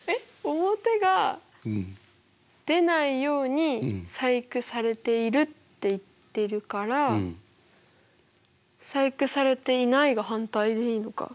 表が出ないように細工されているって言ってるから細工されていないが反対でいいのか？